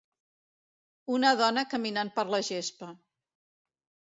Una dona caminant per la gespa.